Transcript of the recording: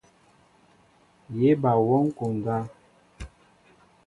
Yé ba wɔŋ konda.